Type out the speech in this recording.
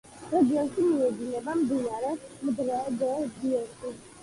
რეგიონში მიედინება მდინარე მადრე-დე-დიოსი.